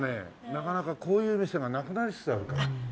なかなかこういう店がなくなりつつあるから。